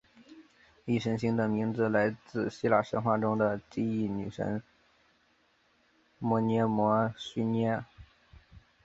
忆神星的名字得自希腊神话中的记忆女神谟涅摩叙涅。